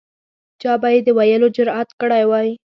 چا به یې د ویلو جرأت کړی وای.